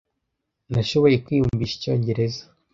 Nashoboye kwiyumvisha icyongereza.